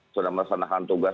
sudah meresanakan tugas